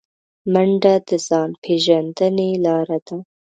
منډه د ځان پیژندنې لاره ده